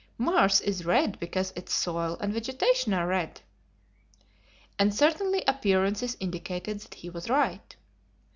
"Mars is red because its soil and vegetation are red." And certainly appearances indicated that he was right.